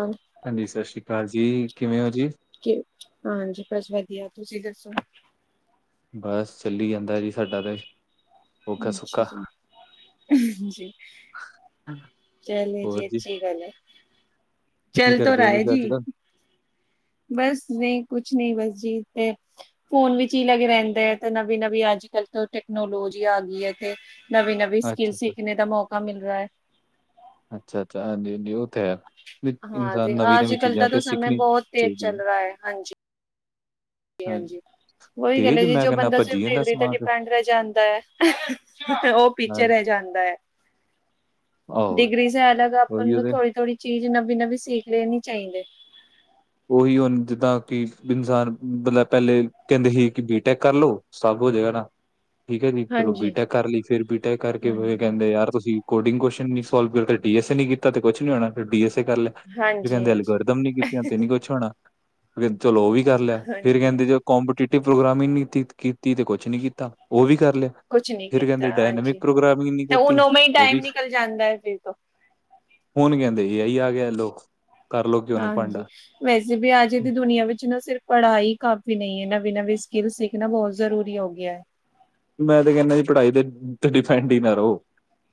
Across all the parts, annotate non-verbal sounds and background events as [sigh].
ਹਾਂ। ਹਾਂਜੀ। ਸਤਿ ਸ਼੍ਰੀ ਅਕਾਲ ਜੀ। ਕਿਵੇਂ ਹੋ ਜੀ? ਹਾਂਜੀ। ਬਸ ਵਧੀਆ। ਤੁਸੀਂ ਦੱਸੋ? ਬਸ। ਚੱਲੀ ਜਾਂਦਾ ਜੀ। ਸਾਡਾ ਤੇ। ਔਖਾ ਅੱਛਾ ਸੌਖਾ ਜੀ ਜੀ।। ਚਲੇ ਜੀ ਅੱਛੀ ਗੱਲ ਹੈ। ਕੀ ਚੱਲ ਤੋਂ ਕਰਦੇ ਹੋ ਰਹਾ ਹੈ ਤੁਸੀਂ ਜੀ। ਅੱਜ ਕੱਲ੍ਹ ਬਸ ਨਹੀਂ ਕੁਛ ਨਹੀਂ। ਬਸ ਜੀ ਤੇ- ਫੋਨ ਵਿੱਚ ਹੀ ਲੱਗੇ ਰਹਿੰਦੇ ਆ। ਤੇ ਨਵੀਂ ਨਵੀਂ ਅੱਜ ਕੱਲ੍ਹ ਤੋਂ ਟੈਕਨੋਲੋਜੀ ਆ ਗਈ ਹੈ ਤੇ। ਨਵੀਂ ਨਵੀਂ ਸਕਿੱਲ ਅੱਛਾ ਅੱਛਾ ਸਿੱਖਣੇ ਦਾ ਮੌਕਾ ਮਿਲ ਰਿਹਾ ਹੈ। ਅੱਛਾ ਅੱਛਾਾਂਜੀ। ਹਾਂ ਇਨਸਾਨ ਜੀ ਨਵੀਂ ਆਜ ਨਵੀਂ ਕਲ ਚੀਜ਼ਾਂ ਦਾ ਤੇ ਤਾਂ ਸਮੇ ਸਿੱਖਣੀ ਬਹੁਤ ਤੇਜ਼ ਚਾਹੀਦੀ ਹੈ। ਚੱਲ ਰਿਹਾ ਹਾਂਜੀ ਹਾਂਜੀ। ਉਹੀ ਗੱਲ ਤੇਜ ਹੈ ਜੀ। ਮੈਂ ਜੋ ਕਹਿੰਦਾ ਬੰਦਾ ਸਿਰਫ ਭੱਜੀ ਜਾਂਦਾ ਡਿਗਰੀ ਤੇ ਸਮਾਨ ਡਿਪੈਂਡ ਰਹਿ ਜਾਂਦਾ ਹੈ। ਤੇ ਉਹ ਹਾਂ, ਪਿੱਛੇ ਰਹਿ ਜਾਂਦਾ ਹੈ। ਆਹੋ ਡਿਗਰੀਜ਼ ਹੈ ਅ, ਆਪਾਂ ਉਹੀਓ ਨੂੰ ਤੇ ਥੋੜੀ ਥੋੜ੍ਹੀ ਚੀਜ਼ ਨਵੀ ਨਵੀ ਸਿੱਖ ਲੈਣੀ ਚਾਹੀਦੇ। ਉਹੀ ਹੁਣ ਜਿੱਦਾਂ। ਕਿ ਇਨਸਾਨ ਮਤਲਬ ਪੈਲੇ ਕਹਿੰਦੇ ਸੀ ਕਿ ਬੀਟੈਕ ਕਰ ਲਓ। ਸਭ ਹੋ ਜਾਏਗਾ ਨਾ। ਠੀਕ ਹੈ ਜੀ। ਚਲੋ ਹਾਂਜੀ, ਬੀਟੈਕ ਕਰ ਲਈ। ਫੇਰ ਬੀਟੈਕ ਕਰਕੇ ਫ ਹਾਂਜੀ। ਕਹਿੰਦੇ ਯਾਰ ਤੁਸੀਂ ਕੋਡਿੰਗ ਕੋਸ਼ਨ ਵੀ ਸੋਲਵ ਕਰ, ਡੀ ਐਸ ਏ ਨੀ ਕੀਤਾ ਤੇ ਕੋਛ ਨੀ ਹੋਣਾ। ਫਿਰ ਡੀ ਐੱਸ ਏ ਕਰ ਲੈ। ਫ ਹਾਂਜੀ, ਕਹਿੰਦੇ ਹਾਂਜੀ, ਐਲਗਰਦਮ ਨੀ ਕੀਤੀਆਂ ਤੇ ਨੀ ਕੋਛ ਹੋਣਾ। ਕਹਿੰਦੇ ਚਲੋ, ਉਹ ਵੀ ਕਰ ਲਿਆ। ਫੇਰ ਹਾਂਜੀ ਕਹਿੰਦੇ ਜੋ ਕੰਪੇਟੀਟੀਵੇ ਪ੍ਰੋਗਰਾਮ ਹੀ ਕੀਤੀ ਤੇ ਕੋਛ ਨੀ ਕੀਤਾ। ਉਹ ਵੀ ਕਰ ਲਿਆ। ਕੁਛ ਨੀ ਫਿਰ ਕੀਤਾ ਕਹਿੰਦੇ ਡਾਇਨਮਿਕ ਹਾਂਜੀ। ਪ੍ਰੋਗਰਾਮਿੰਗਨੀ ਤੇ ਕੀਤੀ। ਉਨੋ ਮੈਂ ਹੀ ਉਹ ਟਾਈਮ ਵੀ ਨਿਕਲ ਜਾਂਦਾ ਹੈ ਫਿਰ ਤੋਂ। ਹੁਣ ਕਹਿੰਦੇ ਐ ਆਈ ਆ ਗਿਆ। ਲੋ ਕਰਲਓ, ਘਿਓ ਨੂੰ ਹਾਂਜੀ। ਭਾਂਡਾ। ਵੈਸੇ ਵੀ ਆਜੇ ਦੀ ਦੁਨੀਆਂ ਵਿੱਚ ਨਾ ਸਿਰਫ ਪੜ੍ਹਾਈ ਕਾਫ਼ੀ ਨਹੀਂ ਹੈ। ਨਵੀ-ਨਵੀਂ ਸਕਿੱਲ ਸਿੱਖਣਾ ਬਹੁਤ ਜ਼ਰੂਰੀ ਹੋ ਗਿਆ ਐ। ਮੈਂ ਤੇ ਕਹਿੰਦਾ ਜੀ ਪੜ੍ਹਾਈ ਦੇ ਉੱ ਡਿਪੈਂਡ ਹੀ ਨਾ ਰਹੋ।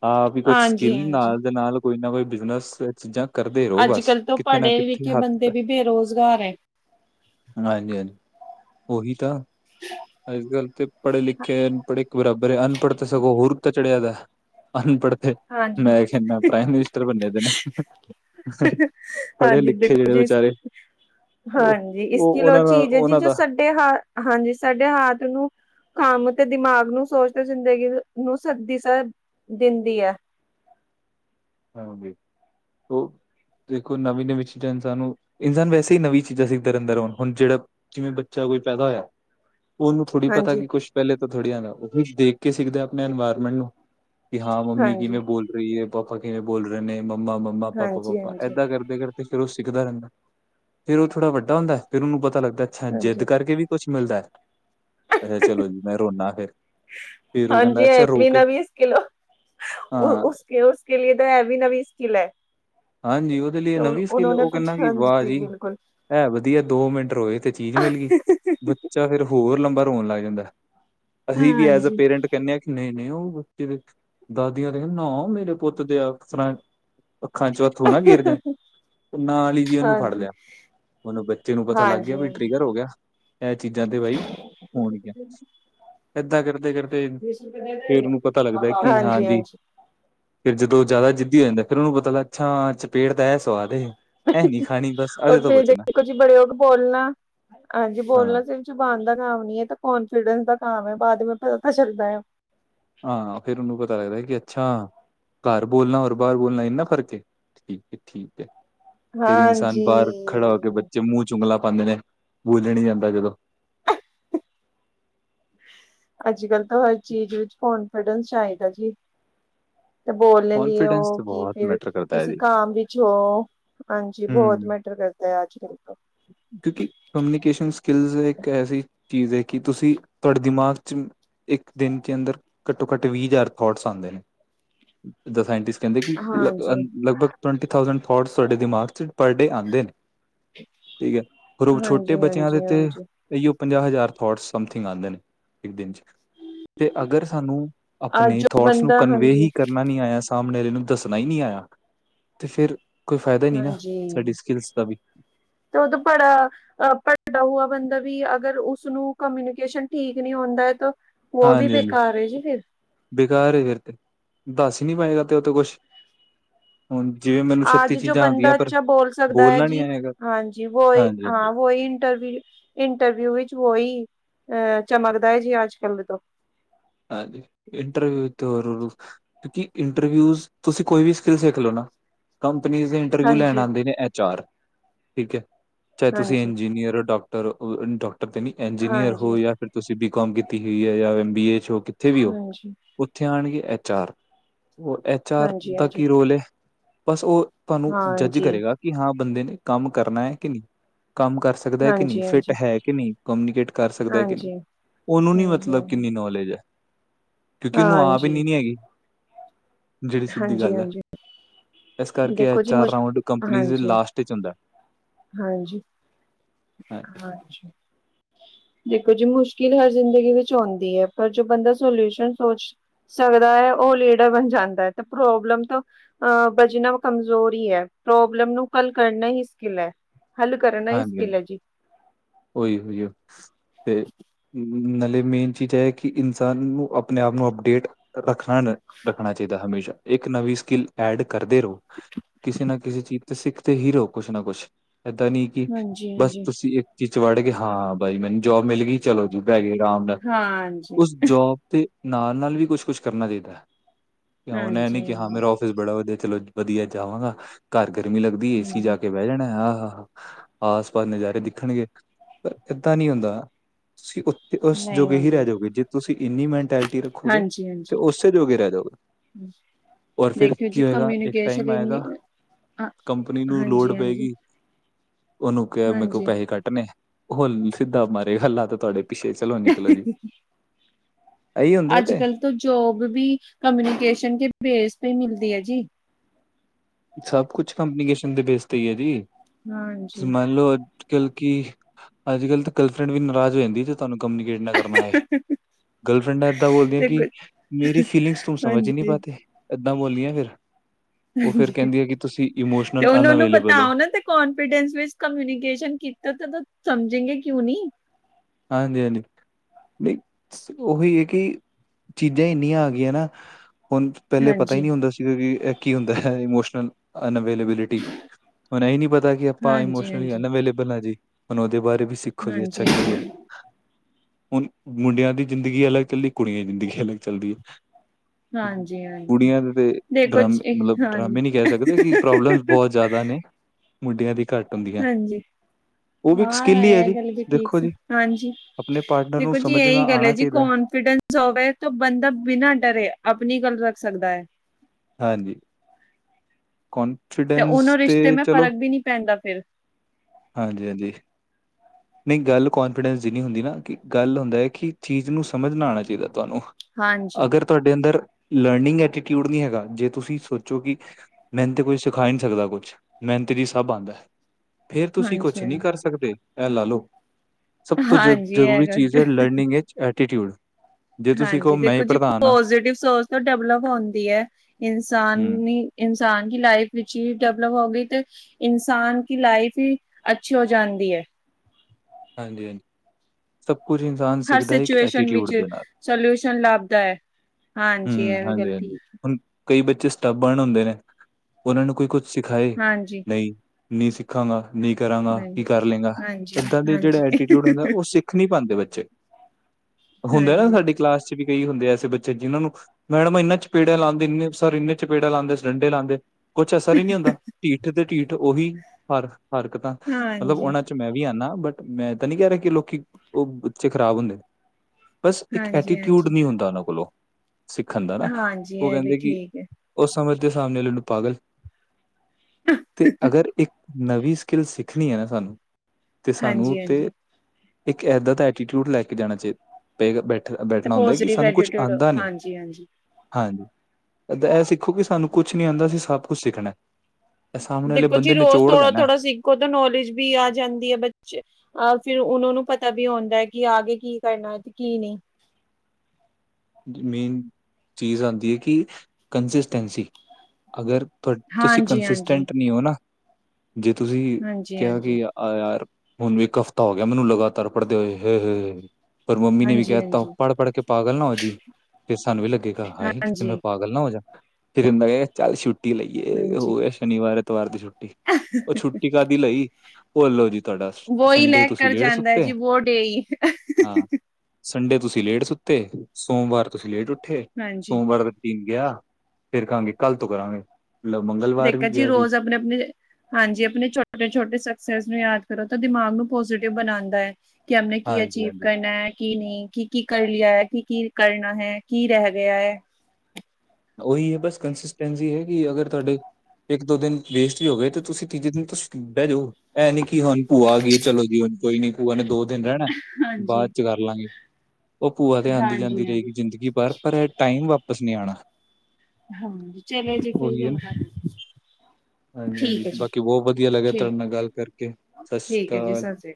ਆਪ ਵੀ ਕੋਛ ਹਾਂਜੀ, ਸਕਿੱਲ ਹਾਂਜੀ ਨਾਲ ਦੇ ਨਾਲ ਕੋਈ ਨਾ ਕੋਈ ਬਿਜਨਸ ਚੀਜ਼ਾਂ ਕਰਦੇ ਰਹੋ ਅੱਜ ਬਸ। ਕੱਲ੍ਹ ਤੋਂ ਕਿੱਥੇ ਨਾ ਪੜ੍ਹੇ ਕਿੱਥੇ ਲਿਖੇ ਹੱਥ ਬੰਦੇ ਪੈਰ ਵੀ ਬੇਰੁਜ਼ਗਾਰ ਹੈ। ਹਾਂਜੀ-ਹਾਂਜੀ। ਉਹੀ ਤਾਂ ਹ। ਅੱਜ ਕੱਲ੍ਹ ਤੇ ਪੜ੍ਹੇ ਲਿਖੇ ਅਨਪੜ੍ਹੇ ਬਰਾਬਰ ਹੈ। ਅਨਪੜ੍ਹ ਤਾਂ ਸਗੋਂ ਹੋਰ ਤਾਂ ਚੜਿਆਦਾ। ਅਨਪੜਤੇ ਹਾਂਜੀ, ਮੈਂ ਕਨਾ ਪ੍ਰਾਈਮ ਮਿਨਿਸਟਰ ਬੰਨੇ ਜਾਂਦੇ ਨੇ। ਪੜ੍ਹੇ ਹਾਂਜੀ ਲਿਖੇ ਦੇਖੋ ਜਿਹੜੇ ਜੀ ਸਕੂ ਵਿਚਾਰੇ, ਉਹ, ਹਾਂਜੀ ਇਸ ਉਹ ਕਿਲੋ ਚੀਜ਼ ਹੈ ਜੀ ਉਹਨਾਂ ਜੋ ਦਾ ਸਾਡੇ ਹਾ। ਹਾਂਜੀ, ਸਾਡੇ ਹਾਟ ਨੂੰ ਕੰਮ ਤੇ ਦਿਮਾਗ ਨੂੰ ਸੋਚ ਤੇ ਜ਼ਿੰਦਗੀ ਨੂੰ ਸਦੀ ਦਿੰਦੀ ਐ। ਹਾਂਜੀ। ਉਹ ਦੇਖੋ ਨਵੀਂ-ਨਵੀਂ ਚੀਜ਼ ਇਨਾਨ ਨੂੰ। ਇਨਾਨ ਵੈਸੇ ਹੀ ਨਵੀਂ ਚੀਜ਼ ਸਿੱਖਦਾ ਰਹਿੰਦਾ ਆ। ਹੁਣ ਜਿਹੜਾ ਜਿਵੇਂ ਬੱਚਾ ਕੋਈ ਪੈਦਾ ਹੋਇਆ। ਉਹਨੂੰ ਥੋੜ੍ਹੀ ਪਤਾ ਹਾਂਜੀ ਕਿ ਕੁਛ ਪਹਿਲੇ ਤਾਂ ਥੋੜ੍ਹੀ ਜਾ। ਉਹ ਦੇਖ ਕੇ ਸਿੱਖਦੇ ਆਪਣੇ ਇਨਵਾਇਰਮੈਂਟ ਨੂੰ। ਕਿ ਹਾਂ, ਮੰਮੀ ਹਾਂਜੀ ਕਿਵੇਂ ਬੋਲ ਰਹੀ ਹੈ? ਪਾਪਾ ਕਿਵੇਂ ਬੋਲ ਰਹੇ ਨੇ? ਮੰਮਾ ਮੰ- ਹਾਂਜੀ ਪਾਪਾ-ਪਾਪਾ। ਹਾਂਜੀ ਏਦਾਂ ਕਰਦੇ-ਕਰਦੇ ਤੇ ਫੇਰ ਉਹ ਸਿੱਖਦਾ ਰਹਿੰਦਾ। ਫੇਰ ਉਹ ਥੋੜਾ ਵੱਡਾ ਹੁੰਦਾ, ਫਿਰ ਉਹਨੂੰ ਪਤਾ ਲੱਗਦਾ ਅੱਛਾ, ਜਿੱਦ ਹਾਂਜੀ ਕਰਕੇ ਵੀ ਕੁਛ ਮਿਲਦਾ। ਅੱਛਾ ਚਲੋ ਜੀ, ਮੈਂ ਰੋਨਾ ਫਿਰ। ਫਿਰ ਉਹ ਕਹਿੰਦਾ ਹਾਂਜੀ। ਏ ਅੱਛਾ ਰੋ ਵੀ ਕੇ ਨਵੀਂ ਸਕੀਲ। ਹਾਂ, ਓਹ ਦੇ ਲਈ ਤਾਂ ਇਹਵ ਵੀ ਨਵੀਂ ਸਕਕਿਲ ਹੈ। ਹਾਂਜੀ। ਉਹਦੇ ਲਈ ਨਵੀਂ ਸਕਿੱਲ ਹੈ। ਉਹਨੇ ਉਹ ਕੁਛ ਕਹਿੰਦਾ ਕਿ ਵਾਹ ਹਾਂਜੀ ਜੀ ਬਿਲਕੁਲ ਐ ਵਧੀਆ। ਦੋ ਮਿੰਟ ਰੋਏ ਤੇ ਚੀਜ਼ ਮਿਲ ਗਈ। ਬੱਚਾ ਫਿਰ ਹੋਰ ਲੰਬਾ ਰੋਣ ਲੱਗ ਜਾਂਦਾ। ਅਸੀਂ ਵੀ ਐਜ ਅ ਹਾਂਜੀ ਪੇਰੈਂਟ ਕਹਿੰਦੇ ਹਾਂ ਨਹੀਂ-ਨਹੀਂ ਉਹ, ਬੱਚੇ ਦੇ ਦਾਦੀਆਂ ਦੇਖਦੇ ਨਾ ਮੇਰੇ ਪੁੱਤ ਦੇ ਅੱਖਾਂ ਚੱ ਅੱਥਰੂ ਨਾ ਗੇਰਦੈ। ਨਾਲ ਹੀ ਜੀ, ਉਹਨੂੰ ਫੜ ਹਾਂਜੀ ਲਿਆ। ਉਹਨੂੰ, ਬੱਚੇ ਨੂੰ ਪਤਾ ਲੱਗ ਗਿਆ ਵੀ ਹਾਂਜੀ ਟ੍ਰਿਗਰ ਹੋ ਗਿਆ। ਇਹ ਚੀਜ਼ਾਂ ਤੇ ਬਾਈ ਹੋਣਗੀਆਂ। ਏਦਾਂ ਕਰਦੇ-ਕਰਦੇ, ਹਾਂਜੀ ਫੇਰ ਉਹਨੂੰ ਪਤਾ ਲੱਗਦਾ ਕਿ ਹਾਂਜੀ। ਫਿਰ ਜਦੋਂ ਜ਼ਿਆਦਾ ਜਿੱਦੀ ਹੋ ਜਾਂਦਾ। ਫਿਰ ਉਹਨੂੰ ਪਤਾ ਲੱਗਾ ਅੱਛਾ, ਚਪੇਟ ਤਾਂ ਇਹ ਸਵਾਦ ਏ। ਇਹ ਨੀ ਖਾਣੀ ਬਸ ਉਥੇ ਇਹਦੇ ਤੋਂ ਫਿਰ ਬਚਣਾ ਦੇਖੋ ਜੀ, ਬੜੇ ਹੋ ਕੇ ਬੋਲਣਾ। ਹਾਂਜੀ, ਹਾਂ ਬੋਲਣਾ ਚਾਹੀਦਾ। ਚੁਬਾਣ ਦਾ ਕੰਮ ਨਹੀਂ ਹੈ ਤੇ ਕੋਂਨਫੀਡੈਂਸ ਦਾ ਕਾਮ ਐ। ਬਾਅਦ ਪਤਾ ਤਾਂ ਚੱਲਦਾ ਐ। ਹਾਂ, ਫਿਰ ਉਹਨੂੰ ਪਤਾ ਲੱਗਦਾ ਕਿ ਅੱਛਾ! ਘਰ ਬੋਲਣਾ, ਹੋਰ ਬਾਹਰ ਬੋਲਣਾ ਇੰਨਾ ਫਰਕ ਏ। ਫਿਰ ਇਨਸਾਨ ਹਾਂਜੀ ਬਾਹਰ ਖੜਾ ਹੋ ਕੇ, ਬੱਚੇ ਮੂੰਹ ਉਗਲਾਂ ਪਾਉਂਦੇ ਨੇ ਬੋਲਿਆਂ ਨਹੀਂ ਜਾਂਦਾ, ਜਦੋਂ। ਅੱਜ ਕੱਲ੍ਹ ਤਾਂ ਹਰ ਚੀਜ਼ ਵਿੱਚ ਕੋਂਨਫੀਡੈਂਸ ਚਾਹੀਦਾ ਜੀ। ਤੇ ਬੋਲਣ ਲੇਣੀਓ ਕਨਫੀਡੈਂਸ ਤੇ ਬਹੁਤ ਫਿਰ ਮੈਟਰ ਕਰਦਾ ਹੈ ਜੀ ਕਾਮ ਵਿੱਚ ਹੋ। ਹਾਂਜੀ। ਬਹੁਤ ਹਮ ਮੈਟਰ ਕਰਦਾ ਆ ਅੱਜ ਕੱਲ ਤੇ ਕਿਉਂਕਿ, ਕਮਨੀਕੇਸ਼ਨ ਸਕਿੱਲਸ ਇੱਕ ਐਸੀ ਚੀਜ਼ ਏ ਕਿ, ਤੁਸੀਂ ਤੁਹਾਡੇ ਦਿਮਾਗ 'ਚ ਇੱਕ ਦਿਨ ਕੇ ਅੰਦਰ, ਘੱਟੋ-ਘੱਟ ਵੀਹ ਜ਼ਾਰ ਥੋਟਸ ਆਂਦੇ ਨੇ। ਜਿਦਾਂ ਸਾਇੰਟਿਸਟ ਕਹਿੰਦੇ ਕੀ, ਅ ਹਾਂਜੀ ਲਗਭਗ ਟਵੈਂਨਟੀ ਥਾਊਜੈਂਟ ਥੋਟ ਤੁਹਾਡੇ ਦਿਮਾਗ 'ਚ ਪਰ ਡੇ ਆਂਦੇ ਨੇ। ਠੀਕ ਐ। ਪਰ ਉਹ ਛੋਟੇ ਹਾਂਜੀ ਬੱਚਿਆਂ ਦੇ ਹਾਂਜੀ ਤੇ ਹਾਂਜੀ ਏਇਓ ਪੰਜਾਹ ਹਜ਼ਾਰ ਥੋਟਸ ਸਮਥਿੰਗ ਆਦੇ ਨੇ, ਇੱਕ ਦਿਨ 'ਚ ਤੇ ਅਗਰ ਸਾਨੂੰ ਅੱਜ ਆਪਣੇ ਜੋ ਥੋਟਸ ਨੂੰ ਬੰਦਾ ਕਨਵੇ ਹਾਂਜੀ ਹੀ ਕਰਨਾ ਨੀ ਆਇਆ ਸਾਮਣੇ ਆਰੈ ਨੂੰ ਦੱਸਣਾ ਈ ਨੀ ਆਇਆ ਤੇ ਫਿਰ ਕੋਈ ਫਾਇਦਾ ਈ ਨੀ ਨਾ, ਸਾਡੀ ਸਕਿੱਲਸ ਦਾ ਵੀ। ਉਹਤੇ ਪੜਾ ਅਹ ਭਟਕਦਾ ਹੁਆ ਬੰਦਾ ਵੀ, ਅਗਰ ਉਸਨੂੰ ਕਮਿਊਨੀਕੇਸ਼ਨ ਠੀਕ ਨਹੀ ਹੁੰਦਾ ਐ ਤਾਂ ਉਹ ਵੀ ਹਾਂਜੀ ਹਾਂਜੀ ਬੇਕਾਰ ਏ ਜੀ ਫਿਰ। ਬੇਕਾਰ ਏ ਫਿਰ ਤੇ ਦੱਸ ਨੀ ਪਾਏਗਾ ਤੇ ਉਹ ਤੇ ਕੁੱਛ ਹੁਣ ਜੇ ਮੈਨੂੰ ਛੱਤੀ ਚੀਜ਼ਾਂ ਆਂਦੀਆਂ, ਪਰ ਸਕਦਾ ਹੈ ਬੋਲਣਾ ਨੀ ਜੀ ਆਏਗਾ। ਹਾਂਜੀ ਵੋਈ ਹਾਂ, ਵੋਈ ਇੰਟਰਵਿਊ ਇੰਟਰਵਿਊ ਵਿੱਚ ਵੋਈ ਅ ਚਮਕਦਾ ਐ ਜੇ ਅੱਜ-ਕੱਲ੍ਹ ਤੋਂ ਹਾਂਜੀ ਇੰਟਰਵਿਊ ਤੋਰੁ ਰੂ ਕਿਉਂਕਿ, ਇੰਟਰਵਿਊਸ ਤੁਸੀਂ ਕੋਈ ਵੀ ਸਕਿੱਲ ਸਿੱਖ ਲੋ ਨਾ, ਕੰਪਨੀਜ਼ ਐਂ ਇੰਟਰਵਿਊ ਲੈਣ ਹਾਂਜੀ ਆਂਦੇ ਨੇ, ਐਚ ਆਰ ਠੀਕ ਏ। ਚਾਹੇ ਤੁਸੀਂ ਹਾਂਜੀ ਇੰਜੀਨੀਅਰ ਓ ਡਾ ਟਰ ਓ, ਡਾਕਟਰ ਤੇ ਨੀ। ਇੰਜੀਨੀਅਰ ਹਾਂਜੀ ਹੋ ਜਾਂ ਫਿਰ ਤੁਸੀਂ ਬੀਕੌਮ ਕੀਤੀ ਹੋਈ ਐ, ਜਾਂ ਐਮ ਬੀ ਏ 'ਚ ਹੋ। ਜਿੱਥੇ ਵੀ ਹੋ, ਹਾਂਜੀ ਉੱਥੇ ਆਂਣਗੇ ਐਚ ਆਰ। ਉਹ ਐਚ ਆਰ ਹਾਂਜੀ ਦਾ ਕੀ ਹਾਂਜੀ ਰੋਲ ਏ ਬਸ ਉਹ ਤੁਹਾਨੂੰ ਜੱਜ ਹਾਂਜੀ ਕਰੇਗਾ। ਕਿ ਹਾਂ ਬੰਦੇ ਨੇ ਕੰਮ ਕਰਨਾ ਐ, ਕਿ ਨ੍ਹੀਂ। ਕੰਮ ਕਰ ਸਕ ਦਾ ਕਿ ਨ੍ਹੀਂ, ਫਿੱਟ ਹਾਂਜੀ ਹੈ ਕਿ ਨ੍ਹੀਂ, ਕਮਿਊਨੀਕੇਟ ਕਰ ਸਕਦਾ ਕਿ ਨ੍ਹੀਂ। ਹਾਂਜੀ ਉਹਨੂੰ ਨੀ ਮਤਲਬ ਹਾਂਜੀ ਕਿੰਨੀ ਨੌਲੇਜ ਐ। ਕਿਉਂਕਿ, ਉਹਨੂੰ ਆਪ ਹਾਂਜੀ ਹਾਂਜੀ ਇੰਨੀ ਨੀ ਹੈਗੀ। ਜਿਹੜੀ ਸਿੱਧੀ ਹਾਂਜੀ ਗੱਲ ਐ। ਹਾਂਜੀ ਦੇਖੋ ਜੀ ਮੁਸ਼ ਕੰਪਨੀਜ਼ ਦੇ ਲਾਸਟ ਵਿੱਚ ਹੁੰਦਾ ਹਾਂਜੀ-ਹਾਂਜੀ। ਹਾਂਜੀ। ਦੇਖੋ ਜੀ, ਮੁਸ਼ਕਿਲ ਹਰ ਜ਼ਿੰਦਗੀ ਵਿੱਚ ਆਉਂਦੀ ਐ। ਪਰ ਜੋ ਬੰਦਾ ਸੋਲਿਊਸ਼ਨ ਸੋਚ ਸਕਦਾ ਐ। ਉਹ ਲੀਡਰ ਬਣ ਜਾਂਦਾ ਐ ਤੇ ਪ੍ਰੋਬਲਮ ਤੋਂ ਅ ਪਰ ਜਿਨਾਂ ਕੋ ਕਮਜ਼ੋਰੀ ਐ, ਪ੍ਰੋਬਲਮ ਨੂੰ ਹੱਲ ਕਰਨਾ ਹੀ ਸਕਿੱਲ ਐ ਹੱਲ ਕਰਨਾ ਈ ਸਕਿੱਲ ਐ ਜੀ। ਹੋਈ-ਹੋਈ ਆ। ਤੇ ਨਾਲੇ ਮੇਨ ਚੀਜ਼ ਇਹ ਕਿ, ਇਨਸਾਨ ਨੂੰ ਆਪਣੇ-ਆਪ ਨੂੰ ਅਪਡੇਟ ਰੱਖ ਹਨ, ਰੱਖਣਾ ਚਾਹੀਦਾ ਹਮੇਸ਼ਾ। ਇੱਕ ਨਵੀਂ ਸਕਿੱਲ ਐਡ ਕਰਦੇ ਰਹੋ। ਕਿਸੇ ਨਾ ਕਿਸੇ ਚੀਜ਼ ਤੋਂ ਸਿੱਖਦੇ ਹੀ ਰਹੋ ਕੁੱਛ ਨਾ ਕੁੱਛ। ਇੱਦਾਂ ਨੀ ਹਾਂਜੀ ਬਸ ਹਾਂਜੀ ਤੁਸੀਂ ਇੱਕ ਚੀਜ਼ 'ਚ ਵੜਗੇ, ਹਾਂ ਬਾਈ ਮੈਨੂੰ ਜੋਬ ਮਿਲਗੀ ਚਲੋ ਜੀ ਬਹਿਗੇ ਆਰਾਮ ਨਾਲ। ਹਾਂਜੀ ਉਸ ਜੋਬ ਦੇ ਨਾਲ-ਨਾਲ ਵੀ ਕੁਛ-ਕੁਛ ਕਰਨਾ ਚਾਹੀਦਾ। ਕਿਉਂ ਉਹਨੇ ਐ ਨੀ ਹਾਂਜੀ ਕਿਹਾ ਹਾਂਜੀ ਮੇਰਾ ਓਫ ਫਿਸ ਬੜਾ ਵਧੀਆ। ਚਲੋ ਵਧੀਆ ਜਾਵਾਂਗਾ, ਘਰ ਗਰਮੀ ਲੱਗਦੀ ਏ ਸੀ ਜਾ ਹਮ ਕੇ ਬਹਿ ਜਾਣਾ। ਆ ਹਾ-ਹਾ। ਆਸ-ਪਾਸ ਨਜ਼ਾਰੇ ਦਿਖਣਗੇ। ਪਰ ਏਦਾਂ ਨਹੀਂ ਹੁੰਦਾ, ਤੁਸੀਂ ਉ ਤੇ ਉਸ ਨਹੀਂ ਜੋਗੇ ਹੀ ਹੁੰਦਾ ਜੀ ਰਹਿਜੋਗੇ, ਜੇ ਤੁਸੀਂ ਇੰਨੀ ਮੈਂਟੈਲਿਟੀ ਰਖ ਰਖੋਗੇ ਹਾਂਜੀ ਤੇ ਹਾਂਜੀ ਉਸੇ ਜੋਗੇ ਰਹਿ ਜਾਉਂਗੇ। ਔਰ ਫਿਰ ਦੇਖਿਓ ਕੀ ਜੀ ਹੋਏਗਾ। ਇੱਕ ਟਾਈਮ ਕਮਿਊਨੀਕੇਸ਼ਨ ਆਏਗਾ, ਇੰਨੀ ਅ ਕੰਪਨੀ ਨੂੰ ਲੋੜ ਹਾਂਜੀ ਹਾਂਜੀ ਪਏਗੀ ਉਹਨੂੰ ਕਿਹਾ ਮੇਰੇ ਕੋ ਹਾਂਜੀ ਪੈਹੇ ਘੱਟ ਨੇ, ਉਹ ਸਿੱਧਾ ਮਾਰੇ ਹੱਲਾ ਤੇ ਤੁਹਾਡੇ ਪਿੱਛੇ ਚਲੋ, ਨਿਕਲੋ ਜੀ। ਇਹੀ ਹੁੰਦਾ ਤੇ ਅੱਜ-ਕੱਲ੍ਹ ਤੋਂ ਜੋਬ ਵੀ, ਕਮਿਊਨੀਕੇਸ਼ਨ ਕੇ ਬੇਸ ਪੇ ਮਿਲਦੀ ਐ ਜੀ। ਸਭ ਕੁੱਛ ਕੰਪਨੀਕੇਸ਼ਨ ਦੇ ਬੇਸ ਤੇ ਏ ਜੀ। ਤੁਸੀਂ ਹਾਂਜੀ ਮੰਨ ਲੋ ਥਕਿਲ ਕੀ, ਅੱਜ-ਕੱਲ੍ਹ ਤਾਂ ਗਰਲਫਰੈਂਡ ਵੀ ਨਾਰਾਜ਼ ਹੋ ਜਾਂਦੀ, ਜੇ ਤੁਹਾਨੂੰ ਕਮਿਊਨੀਕੇਟ ਨਾ ਕਰਨਾ ਆਏ। ਗਰਲਫਰੈਂਡ ਇਦਾਂ ਬੋਲਦੀਆਂ ਕਿ ਦੇਖੋ ਮੇਰੀ ਫਿਲਿੰਗਸ ਤੂੰ ਸਮਝ ਹਾਂਜੀ, ਹੀ ਨਹੀਂ ਪਾਤੇ ਇਦਾਂ ਬੋਲੀਆਂ ਫਿਰ ਉਹ ਫਿਰ ਹਾਂਜੀ ਕਹਿੰਦੀ ਹੈ ਕਿ ਤੁਸੀਂ ਤੇ ਇਮੋਸ਼ਨਲ ਉਹਨੂੰ ਅਨਅਵੇਲੇਬਲ ਹੋ, ਬਤਾਓ ਨਾ ਤੇ ਕੋਨਫੀਡੈਂਸ ਵਿੱਚ ਕਮਨੀਕੇਸ਼ਨ ਕੀਤਾ ਤਾਂ ਸਮਝੇਗੇ ਕਿਉਂ ਨਹੀਂ ਹਾਂਜੀ-ਹਾਂਜੀ ਉਹੀ ਹੈ ਕਿ ਚੀਜ਼ਾਂ ਇੰਨੀਆਂ ਆ ਗਈਆਂ ਨਾ ਹੁਣ ਪਹਿਲੇ ਪਤਾ ਹੀ ਹਾਂਜੀ, ਨਹੀਂ ਹੁੰਦਾ ਸੀਗਾ ਕਿ ਇਹ ਕੀ ਹੁੰਦਾ ਹੈ ਇਮੋਸ਼ਨਲ ਅਵੇਲੇਬਿਲ ਤੁਹਾਨੂੰ ਇਹ ਨੀ ਪਤਾ ਕਿ ਆਪਾਂ ਹਾਂਜੀ, ਇਮੋਸ਼ਨਲੀ ਹਾਂਜੀ। ਅਨ ਅਵੇਲੇਬਲ ਹਾਂ ਜੀ ਹੁਣ ਉਹਦੇ ਬਾਰੇ ਵੀ ਸਿੱ ਦੇਖੋ ਜੀ ਹਾਂਜੀ, ਅੱਛਾ ਕੀ ਐ ਹੁਣ ਮੁੰਡਿਆਂ ਦੀ ਜ਼ਿੰਦਗੀ ਅਲੱਗ ਚੱਲਦੀ ਕੁੜੀਆਂ ਦੀ ਜ਼ਿੰਦਗੀ ਅਲੱਗ ਚੱਲਦੀ ਐ ਹਾਂਜੀ, ਹਾਂਜੀ ਕੁੜੀਆਂ ਦੇ ਤੇ ਦੇਖੋ ਡਰਾਮੇ ਜੀ ਮਤਲਬ ਹਾਂਜੀ, ਡਰਾਮੇ ਨਹੀਂ ਕਹਿ ਸਕਦੇ ਕਿ ਪ੍ਰੋਬਲਮ ਬਹੁਤ ਜ਼ਿਆਦਾ ਨੇ ਮੁੰਡਿਆਂ ਦੀ ਘੱਟ ਹੁੰਦੀਆਂ। ਹਾਂਜੀ ਉਹ ਵੀ ਹਾਂ ਇੱਕ ਸਕਿੱਲ ਹੀ ਹੈ ਆ ਜੀ ਗੱਲ ਵੀ ਠੀਕ ਦੇਖੋ ਸੀ ਜੀ ਹਾਂਜੀ ਆਪਣੇ ਪਾਰਟਨਰ ਨੂੰ ਦੇਖੋ ਜੀ ਸਮਝਣਾ ਇਹੀ ਗੱਲ ਐ ਆਉਣਾ ਜੀ ਚਾਹੀਦਾ ਕੌਣ ਹੈ। ਕੌਂਫੀੜਵੰਸ ਹੋਵੇ ਤਾਂ ਬੰਦਾ ਬਿਨਾਂ ਡਰੇ ਆਪਣੀ ਗੱਲ ਰੱਖ ਸਕਦਾ ਐ ਹਾਂਜੀ ਤੇ ਕੋਨਫੀਡੈਂਸ ਉਹਨੂੰ ਤੇ ਰਿਸ਼ਤੇ ਮੈਂ ਚਲੋ ਫ਼ਰਕ ਵੀ ਨਹੀਂ ਪੈਂਦਾ ਫਿਰ ਹਾਂਜੀ-ਹਾਂਜੀ ਨਹੀਂ ਗੱਲ ਕੋਂਨਫੀਡੈਂਸ ਜਿੰਨੀ ਹੁੰਦੀ ਨਾ ਕਿ ਗੱਲ ਹੁੰਦਾ ਐ ਕਿ ਚੀਜ਼ ਨੂੰ ਸਮਝਨਾ ਆਉਣਾ ਚਾਹੀਦਾ ਤੁਹਾਨੂੰ ਹਾਂਜੀ, ਅਗਰ ਤੁਹਾਡੇ ਅੰਦਰ ਲਰਨਿੰਗ ਐਟੀਟਿਊਡ ਨਹੀਂ ਹੈਗਾ ਜੇ ਤੁਸੀਂ ਸੋਚੋ ਕਿ ਮੈਨੂੰ ਤੇ ਕੋਈ ਸਿਖਾ ਨਹੀਂ ਸਕਦਾ ਕੁਛ ਮਿਹਨਤ ਸਭ ਆਉਂਦਾ ਫਿਰ ਤੁਸੀਂ ਹਾਂਜੀ, ਕੁਛ ਨਹੀਂ ਹਾਂਜੀ। ਕਰ ਸਕਦੇ ਇਹ ਲਾ ਲਓ ਸਭ ਤੋਂ ਹਾਂਜੀ, ਇਹ ਜ਼ਰੂਰੀ ਗੱਲ ਚੀਜ਼ ਹੈ ਲਰਨਿੰਗ ਵਿੱਚ ਐਟੀਟਿਊਡ ਜੇ ਤੁਸੀਂ ਕਹੋ ਹਾਂਜੀ ਮੈਂ ਹੀ ਦੇਖੋ ਜੀ ਪ੍ਰਧਾਨ ਹਾਂ ਪੋਜ਼ਟਿਵ ਸੋਚ ਤੋਂ ਡਿਵਲਪ ਹੁੰਦੀ ਹੈ ਹੂੰ, ਇਨਸਾਨੀ ਇਨਸਾਨ ਦੀ ਲਾਈਫ ਵਿੱਚ ਹੀ ਡਿਵਲਪ ਹੋ ਗਈ ਤੇ ਇਨਸਾਨ ਕੀ ਲਾਈਫ ਹੀ ਅੱਛੀ ਹੋ ਜਾਂਦੀ ਐ ਹਾਂਜੀ-ਹਾਂਜੀ ਸਭ ਕੁਝ ਇਨਸਾਨ ਹਰ ਸਿੱਖਦਾ ਇੱਕ ਸਿਚੁਏਸ਼ਨ ਐਟੀਟਿਊਡ ਵਿੱਚ ਦੇ ਨਾਲ। ਸਲਿਊਸ਼ਨ ਲੱਭਦਾ ਐ ਹਾਂਜੀ ਹੂੰ, ਇਹ ਵੀ ਹਾਂਜੀ, ਗੱਲ ਹਾਂਜੀ। ਠੀਕ ਆ ਹੁਣ ਕਈ ਬੱਚੇ ਸਟੱਬਣ ਹੁੰਦੇ ਨੇ ਉਹਨਾਂ ਨੂੰ ਕੋਈ ਕੁਛ ਸਿਖਾਏ ਹਾਂਜੀ ਨਹੀਂ ਨਹੀਂ ਸਿੱਖਾਂਗਾ ਨਹੀਂ ਕਰਾਂਗਾ ਨਹੀਂ ਕੀ ਕਰ ਲੈਂਗਾ ਹਾਂਜੀ ਏਦਾਂ ਦੇ ਜਿਹੜਾ ਹਾਂਜੀ ਹਾਂਜੀ ਐਟੀਟਿਊਡ ਹੁੰਦੇ ਉਹ ਸਿੱਖ ਨਹੀਂ ਪਾਦੇ ਬੱਚੇ ਹੁੰਦੇ ਨਾ ਹਾਂਜੀ ਸਾਡੀ ਕਲਾਸ ਚ ਵੀ ਕਈ ਹੁੰਦੇ ਐਸੇ ਬੱਚੇ ਜਿਹਨਾਂ ਨੂੰ ਮੈਡਮ ਇਹਨਾਂ ਚਪੇੜਿਆਂ ਲਉਂਦੇ ਇੰਨੇ ਸਰ ਇੰਨੇ ਚਪੇੜਾ ਲਾਂਦੇ ਸੀ ਡੰਡੇ ਲਾਂਦੇ ਕੁਛ ਅਸਰ ਹੀ ਨਹੀਂ ਹੁੰਦਾ ਢੀਠ ਤੇ ਢੀਠ ਉਹੀ ਹਰ ਹਰਕਤਾਂ ਮਤਲਬ ਹਾਂਜੀ ਉਹਨਾਂ ਉੱਚ ਮੈਂ ਵੀ ਆਉਂਦਾ ਬਟ ਮੈਂ ਤਾਂ ਨੀ ਕਹਿ ਰਿਹਾ ਕਿ ਲੋਕੀ ਉੱਚ ਖਰਾਬ ਹੁੰਦੇ ਬਸ ਇੱਕ ਐਟੀਟਿਊਡ ਹਾਂਜੀ ਨਹੀਂ ਹੁੰਦਾ ਉਹਨਾਂ ਕੋਲੋਂ ਸਿੱਖਣ ਦਾ ਨਾ ਹਾਂਜੀ ਉਹ ਇਹ ਵੀ ਕਹਿੰਦੇ ਕਿ ਠੀਕ ਹੈ ਉਸ ਸਮਝ ਦੇ ਸਾਮਣੇ ਵਾਲੇ ਨੂੰ ਪਾਗਲ ਤੇ ਅਗਰ ਇੱਕ ਨਵੀਂ ਸਕਿਲ ਸਿੱਖਣੀ ਐ ਨਾ ਸਾਨੂੰ ਤੁਹਾਨੂੰ ਹਾਂਜੀ ਤੇ ਹਾਂਜੀ ਇੱਕ ਏਦਾਂ ਦਾ ਐਟੀਟਿਊਡ ਲੈ ਕੇ ਜਾਣਾ ਚਾਹੀਦਾ ਪਏ ਬੈਠੇ ਤੇ ਬੈਠਣਾ ਹੁੰਦਾ ਹੈ ਕਿ ਪੋਜ਼ਟਿਵ ਸਾਨੂੰ ਕੁਛ ਐਟੀਟਿਊਡ ਆਉਂਦਾ ਨਹੀਂ ਹਾਂਜੀ ਹਾਂਜੀ ਹਾਂਜੀ ਇਹ ਸਿੱਖੋ ਕਿ ਸਾਨੂੰ ਕੁਛ ਨੀ ਆਉਂਦਾ ਸਭ ਕੁਛ ਸਿੱਖਣਾ ਇਹ ਸਾਹਮਣੇ ਵਾਲੇ ਦੇਖੋ ਜੀ ਬੰਦੇ ਰੋਜ਼ ਨਿਚੋੜ ਲੈਣਾ ਥੋੜਾ-ਥੋੜਾ ਸਿੱਖੋ ਤਾਂ ਨੌਲੇਜ ਵੀ ਆ ਜਾਂਦੀ ਹੈ ਬੱਚੇ ਅਹ ਫਿਰ ਉਹਨਾਂ ਨੂੰ ਪਤਾ ਵੀ ਆਉਂਦਾ ਐ ਕਿ ਆਗੇ ਕੀ ਕਰਨਾ ਤੇ ਕੀ ਨਹੀਂ ਮੇਨ ਚੀਜ਼ ਆਉਂਦੀ ਐ ਕਿ ਕੰਨਸਿਸਟੈਂਸੀ ਅਗਰ ਬਟ ਤੁਸੀਂ ਹਾਂਜੀ ਹਾਂਜੀ ਕੰਸਿਸਟੈਂਟ ਨਹੀਂ ਹੋ ਨਾ ਜੇ ਤੁਸੀਂ ਹਾਂਜੀ ਕਿਹਾ ਹਾਂਜੀ ਕਿ ਆ ਯਾਰ ਹੁਨ ਵੀ, ਇੱਕ ਹਫਤਾ ਹੋ ਗੇਆ ਮੈਨੂੰ ਲਗਾਤਾਰ ਪੜਦੇ ਹੋਏ। ਪਰ, ਮੰਮੀ ਨੇ ਵੀ ਹਾਂਜੀ ਕੇ ਤਾ ਹਾਂਜੀ ਪੜ -ਪੜ ਕੇ ਪਾਗਲ ਨਾ ਹੋ ਜੀਂ ਫੇਰ ਸਾਨੂੰ ਵੀ ਲੱਗੇਗਾ, ਹਾਏ ਕਿਤੇ ਮੈਂ ਹਾਂਜੀ ਪਾਗ ਗਲ, ਨਾਂ ਹੋ ਜਾ ਫੇਰ ਮੈਂ ਕੇਆ ਚੱਲ ਛੁੱਟੀ ਲਈਏ ਹਾਂਜੀ ਹੋ ਗੇਆ ਸ਼ਨੀਵਾਰ -ਐਤਵਾਰ ਦੀ ਛੁੱ ਟੀ, ਓ ਛੁੱਟੀ ਕਾਦੀ ਲਈ ਓ ਲੋ ਜੀ ਤੁਆਡਾ, ਵਹੀ ਸੰਡੇ ਲੈਕ ਤੁਸੀਂ ਕਰ ਲੇਟ ਜਾਂਦਾ ਹੈ ਸੁੱਤੇ, ਜੀ ਵੋ ਡੇ ਹੀ ਹਾਂ ਸੰਡੇ ਤੁਸੀ ਲੇਟ ਸੁੱਤੇ, ਸੋਮਵਾਰ ਤੁਸੀ ਲੇਟ ਉੱਠੇ ਹਾਂਜੀ ਸੋਮਵਾਰ ਬੀ ਗੇਆ, ਫੇਰ ਕਾਂਗੇ ਕੱਲ ਤੋਂ ਕਰਾਂਗੇ। ਲੋ, ਮੰਗਲ ਦੇਖੋ ਜੀ ਰੋਜ਼- ਆਪਨੇ -ਆਪਨੇ, ਹਾਂਜੀ ਆਪਨੇ ਛੋਟੇ -ਛੋਟੇ ਸਕਸੈਸ ਨੂੰ ਯਾਦ ਕਰੋ ਤਾਂ, ਦਿਮਾਗ ਨੂੰ ਪੋਜ਼ਟਿਵ ਬਨਾਂਦਾ। ਕਿ, ਹਮਨੇ ਕੀ ਅਚੀਵ ਹਾਂਜੀ-ਹਾਂਜੀ ਕਰਨੈ? ਕੀ ਨਈਂ, ਕੀ-ਕੀ ਕਰ ਲੇਆ ਐ, ਕੀ-ਕੀ ਕਰਨਾ ਹੈ, ਕੀ ਰੈਹ ਗੇਆ ਐ। ਓਈ ਐ ਬਸ ਕੰਸਿਸਟੈਂਸੀ ਐ ਕਿ ਅਗਰ ਤੁਆਡੇ ਇੱਕ ਦੋ, ਦਿਨ ਵੇਸਟ ਵੀ ਹੋਗੇ, ਤੇ ਤੁਸੀ ਤੀਜੇ ਦਿਨ ਤੁਸੀ ਬੈਹ ਜੋ ਐ ਨੀਂ ਕਿ ਹੁਨ ਭੂਆ ਆ ਗਈ ਚਲੋ ਜੀ ਹੁਨ ਕੋਈ ਨੀਂ ਭੂਆ ਨੇ ਦੋ ਦਿਨ, ਰੈਣਾ ਬਾਦ ਹਾਂਜੀ ਚ ਕਰ ਲਾਂਗੇ, ਓ ਭੂਆ ਤੇ ਆਂਦੀ ਜਾਂਦੀ ਹਾਂਜੀ ਹਾਂਜੀ ਰਏਗੀ ਜਿੰਦਗੀ ਭਰ ਪਰ ਏ ਟਾਈਮ ਵਾਪਸ ਨਈਂ ਆਣਾ। ਹਾਂਜੀ ਚਲੋ ਜੀ [unintelligible] ਹਾਂਜੀ -ਹਾਂਜੀ, ਠੀਕ ਹੈ ਜੀ ਬਾਕੀ ਬੌਤ ਵਦੀਆ ਲੱਗੇਆ ਤੁਆਡੇ ਠੀਕ ਹੈ ਨਾਲ ਗੱਲ ਕਰਕੇ ਸਸ ਸੀ ਠੀਕ ਹੈ ਜੀ ਸਤਿ ਕਾਲ। ਸ਼੍ਰੀ ਅਕਾਲ।